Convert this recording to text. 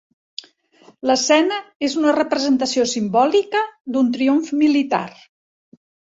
L'escena és una representació simbòlica d'un triomf militar.